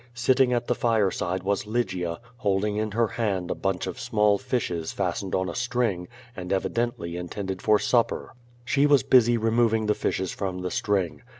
Sitting at the fireside was Lygia, hold ing in her hand a bunch of small fishes fastened on a string, and evidently intended for supper. She was busy removing the fishes from the string.